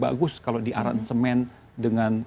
bagus kalau di aransemen dengan